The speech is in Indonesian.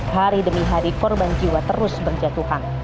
hari demi hari korban jiwa terus berjatuhan